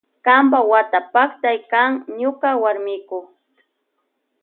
Kampa wata paktay kan ñuka warmiku.